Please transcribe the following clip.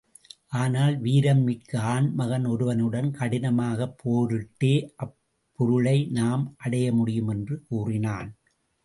ஆனால் வீரம் மிக்க ஆண் மகன் ஒருவனுடன் கடினமாகப் போரிட்டே அப் பொருளை நாம் அடைமுடியும் என்று கூறினான்.